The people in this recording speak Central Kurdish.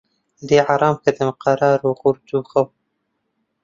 لێی حەرام کردم قەرار و خورد و خەو